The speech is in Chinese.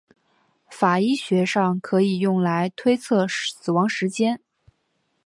法医学上可以用来推测死亡时间。